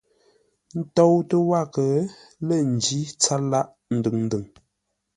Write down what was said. Ə́ tóutə́ wághʼə lə́ ńjí tsâr lâʼ ndʉŋ-ndʉŋ.